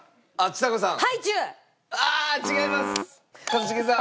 ちさ子さん。